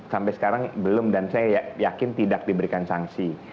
sampai sekarang belum dan saya yakin tidak diberikan sanksi